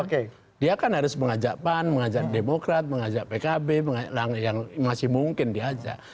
karena dia kan harus mengajak pan mengajak demokrat mengajak pkb yang masih mungkin diajak